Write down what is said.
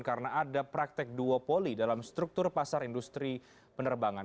karena ada praktek duopoly dalam struktur pasar industri penerbangan